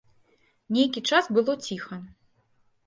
Нейкі час было ціха.